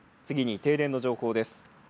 次に停電の情報です。